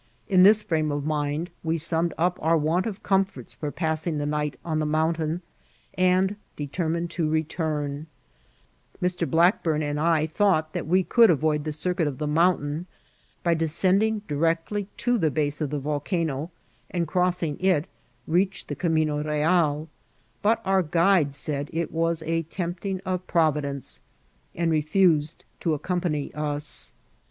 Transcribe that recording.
In this frame of DESCBNTFROM THS VOLCANO. 8S9 mind we summed up oxa w^t of comforts for passing the night on the mountain, and determined to return* Mr. Blackburn and I thought that we could avoid the circuit of the mountain by descending directly to the base of the volcano, and crossing it, reach the camino real; but our guide said it was a tempting of Provi dence, and refused to accompany us.